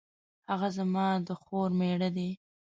هغه زما د خور میړه دی